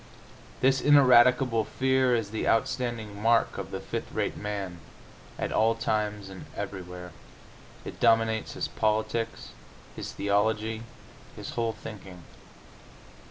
This ineradicable fear is the outstanding mark of the fifth rate man, at all times and everywhere. It dominates his politics, his theology, his whole thinking.